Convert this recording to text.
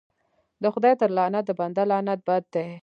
د خداى تر لعنت د بنده لعنت بد دى.